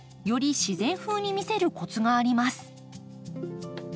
より自然風に見せるコツがあります。